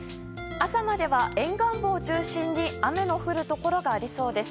朝までは沿岸部を中心に雨の降るところがありそうです。